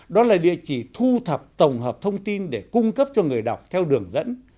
đó là địa chỉ thu thập tổng hợp thông tin để cung cấp cho người đọc theo đường dẫn